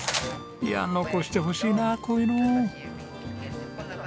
いや残してほしいなこういうの。